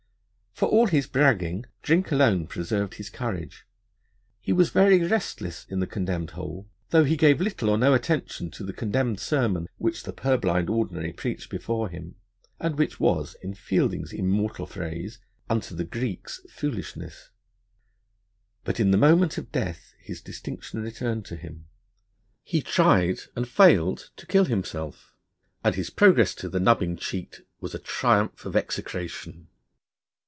For all his bragging, drink alone preserved his courage: 'he was very restless in the Condemned Hole,' though 'he gave little or no attention to the condemned Sermon which the purblind Ordinary preached before him,' and which was, in Fielding's immortal phrase, 'unto the Greeks foolishness.' But in the moment of death his distinction returned to him. He tried, and failed, to kill himself; and his progress to the nubbing cheat was a triumph of execration.